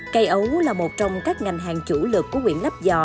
cây ấu là một trong các ngành hàng chủ lực của quyện lắp dò